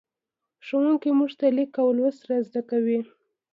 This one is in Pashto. ښوونکی موږ ته لیک او لوست را زدهکوي.